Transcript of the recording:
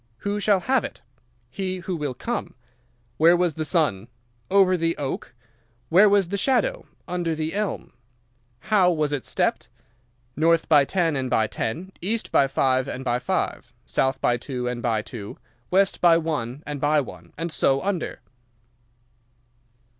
"'Who shall have it?' "'He who will come.' "'Where was the sun?' "'Over the oak.' "'Where was the shadow?' "'Under the elm.' "How was it stepped?' "'North by ten and by ten, east by five and by five, south by two and by two, west by one and by one, and so under.